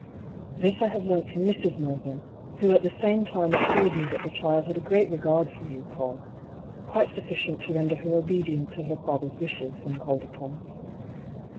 "This I have learnt from Mrs. Mervyn, who at the same time assured me that the child had a great regard for you, Paull — quite sufficient to render her obedient to her father's wishes, when called upon."